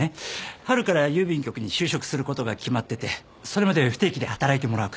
春から郵便局に就職することが決まっててそれまで不定期で働いてもらうから。